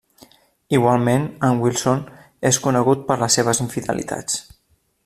Igualment, en Wilson és conegut per les seves infidelitats.